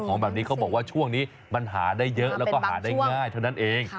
ของแบบนี้เขาบอกว่าช่วงนี้มันหาได้เยอะแล้วก็หาได้ง่ายเท่านั้นเอง